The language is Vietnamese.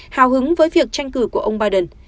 hào hứng với việc tranh cử của ông biden